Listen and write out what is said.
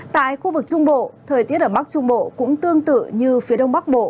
tại khu vực trung bộ thời tiết ở bắc trung bộ cũng tương tự như phía đông bắc bộ